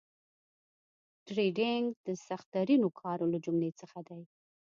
ټریډینګ د سخترینو کارو له جملې څخه دي